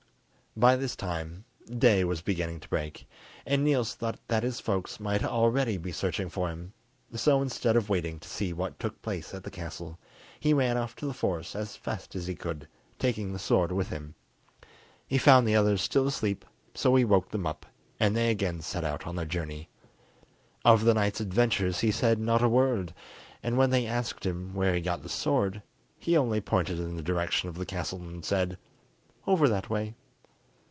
By this time day was beginning to break, and Niels thought that his folks might already be searching for him, so, instead of waiting to see what took place at the castle, he ran off to the forest as fast as he could, taking the sword with him. He found the others still asleep, so he woke them up, and they again set out on their journey. Of the night's adventures he said not a word, and when they asked where he got the sword, he only pointed in the direction of the castle, and said, "Over that way."